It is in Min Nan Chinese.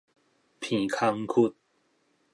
鼻空窟